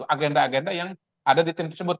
agenda agenda yang ada di tim tersebut